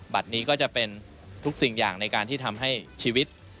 บัตรนี้ก็จะเป็นทุกสิ่งอย่างในการที่ทำให้ชีวิต